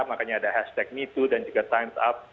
makanya ada hashtag metu dan juga times up